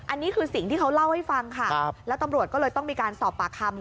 อันนี้คือสิ่งที่เขาเล่าให้ฟังค่ะแล้วตำรวจก็เลยต้องมีการสอบปากคำ